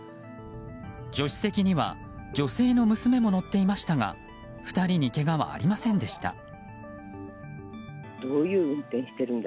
助手席には女性の娘も乗っていましたが２人にけがはありませんでした。